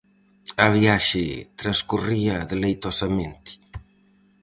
A viaxe transcorría deleitosamente.